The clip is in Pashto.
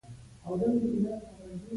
پوه انسان مخکې له کاره فکر کوي.